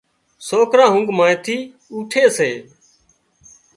سوڪران اونگھ مانئين ٿي اوٺي سي